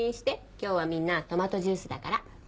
今日はみんなトマトジュースだから。